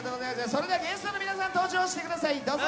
それではゲストの皆さん登場してください、どうぞ！